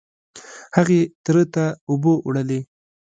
هغې تره ته اوبه وړلې.